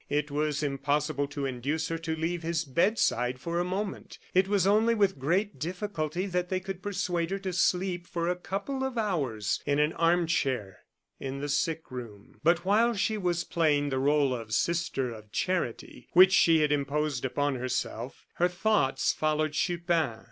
It was impossible to induce her to leave his bedside for a moment. It was only with great difficulty that they could persuade her to sleep for a couple of hours, in an armchair in the sick room. But while she was playing the role of Sister of Charity, which she had imposed upon herself, her thoughts followed Chupin.